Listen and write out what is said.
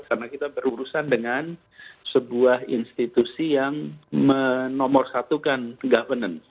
karena kita berurusan dengan sebuah institusi yang menomorsatukan governance